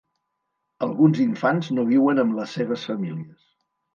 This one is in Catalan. Alguns infants no viuen amb les seves famílies.